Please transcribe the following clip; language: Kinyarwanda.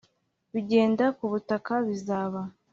bigenda ku butaka bizaba